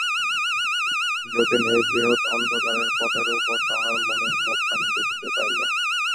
যতীন এই বৃহৎ অন্ধকারের পটের উপর তাহার মণির মুখখানি দেখিতে পাইল।